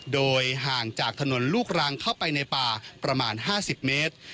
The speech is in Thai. โดยห่างจากถนนลูกรังเข้าไปในป่าประมาณ๕๐เมตร